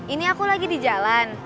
ini aku lagi di jalan